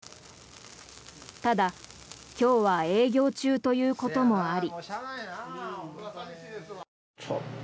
ただ、今日は営業中ということもあり。